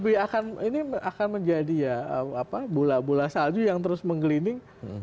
nah ini akan menjadi ya bula bula salju yang terus menggelinding